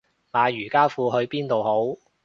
買瑜伽褲去邊度好